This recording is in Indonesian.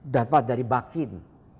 dapat dari bakin